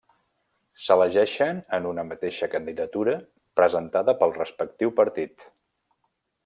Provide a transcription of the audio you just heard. S'elegeixen en una mateixa candidatura presentada pel respectiu partit.